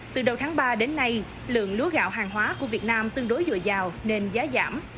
từ đầu tháng ba đến nay lượng lúa gạo hàng hóa của việt nam tương đối dồi dào nên giá giảm